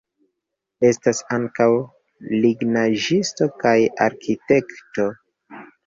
Estas ankaŭ lignaĵisto kaj arkitekto.